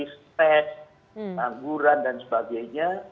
stress tangguran dan sebagainya